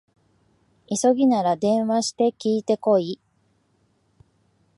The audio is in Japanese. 急ぎなら電話して聞いてこい